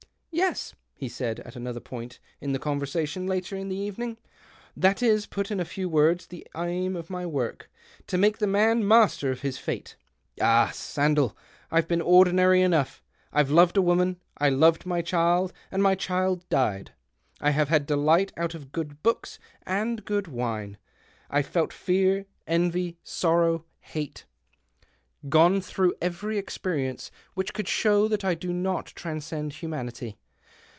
"' "Yes," he said at another point in the conversation, later in the evening, " that is, put in a few words, the aim of my work — to make man master of his fate. Ah, Sandell, I've been ordinary enough I I've loved a woman. I loved my child, and my child died. I have had delight out of good books and good wine. I've felt fear, envy, sorrow. 142 THE OCTAVE OF CLAUDIUS. hate — gone througii every experience which could show that I do not transcend humanity.